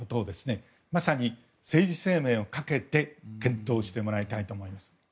まさに、政治生命をかけて検討してもらいたいと思います。